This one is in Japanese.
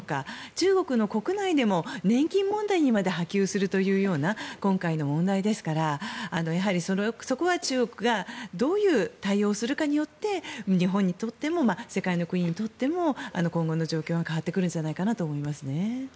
中国の国内でも年金問題にまで発展するというような今回の問題ですからやはりそこは中国がどういう対応をするかによって日本にとっても世界の国にとっても今後の状況が変わってくるんじゃないかと思います。